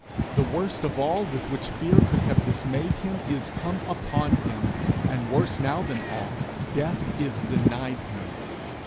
The worst of all with which fear could have dismayed him is come upon him; and worse now than all, death is denied him!